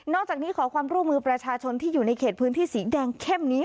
จากนี้ขอความร่วมมือประชาชนที่อยู่ในเขตพื้นที่สีแดงเข้มนี้